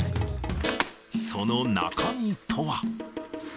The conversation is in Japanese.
その中身とは。